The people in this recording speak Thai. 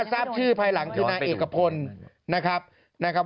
ทราบชื่อภายหลังคือนางเอกพลนะครับ